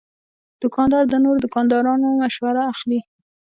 دوکاندار د نورو دوکاندارانو مشوره اخلي.